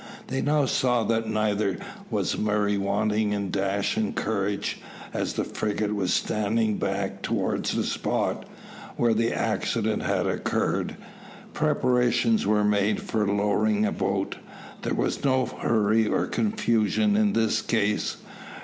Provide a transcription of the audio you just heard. They now saw that neither was Murray wanting in dash and courage. As the frigate was standing back towards the spot where the accident had occurred, preparations were made for lowering a boat. There was no hurry or confusion in this case.